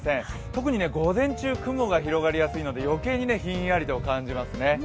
特に午前中、雲が広がりやすいのでよけいにひんやりと感じますね。